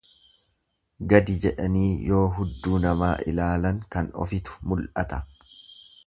Gadi jedhanii yoo hudduu namaa ilaalan kan ofitu muladhata.